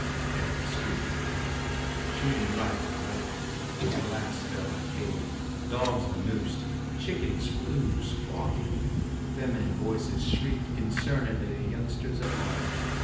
Down the street went Calliope, shooting right and left. Glass fell like hail; dogs vamosed; chickens flew, squawking; feminine voices shrieked concernedly to youngsters at large.